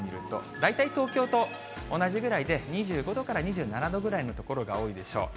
大体東京と同じぐらいで、２５度から２７度ぐらいの所が多いでしょう。